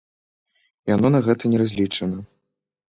Яно на гэта не разлічана.